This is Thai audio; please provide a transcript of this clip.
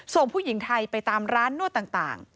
ส่งผู้หญิงไทยไปตามร้านนวดต่าง